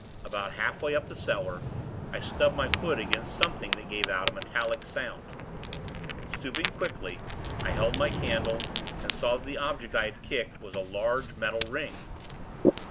About halfway up the cellar, I stubbed my foot against something that gave out a metallic sound. Stooping quickly, I held the candle, and saw that the object I had kicked, was a large, metal ring.